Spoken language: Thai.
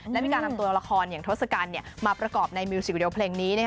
และมีการนำตัวละครอย่างทศกัณฐ์มาประกอบในมิวสิกวิดีโอเพลงนี้